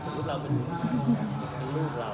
สมมุติเราเป็นอีกอย่างเป็นลูกเรา